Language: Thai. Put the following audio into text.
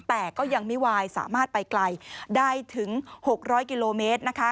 แต่ก็ยังไม่วายสามารถไปไกลได้ถึง๖๐๐กิโลเมตรนะคะ